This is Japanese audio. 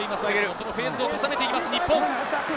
そのフェーズを重ねていきます、日本。